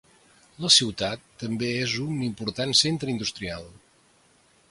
La ciutat també és un important centre industrial.